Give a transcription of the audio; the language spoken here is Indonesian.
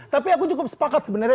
tapi aku cukup sepakat sebenarnya